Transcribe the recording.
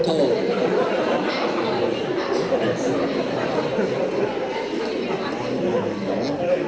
โทษ